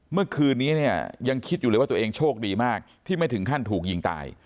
เมื่อคืนนี้เนี่ยยังคิดอยู่เลยว่าตัวเองโชคดีมากที่ไม่ถึงขั้นถูกยิงตาย